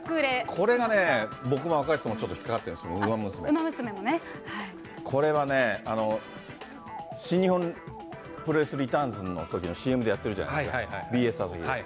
これがね、僕も赤星さんもちょっと引っ掛かってるんですけど、これはね、新日本プロレスリターンズのＣＭでやってるじゃないですか。